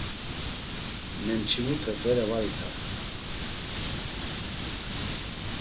Memçinute bere var itasen.